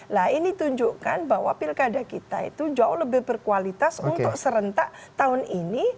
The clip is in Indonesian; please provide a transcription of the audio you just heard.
nah ini tunjukkan bahwa pilkada kita itu jauh lebih berkualitas untuk serentak tahun ini